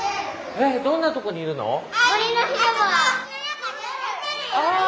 どんなとこにいるの？